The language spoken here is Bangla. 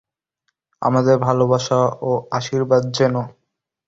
আমার ভালবাসা ও আশীর্বাদ জেনো।